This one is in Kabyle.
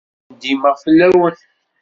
Ur ndimeɣ fell-awen.